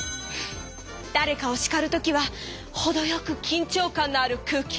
だれかをしかるときはほどよくきんちょう感のある空気！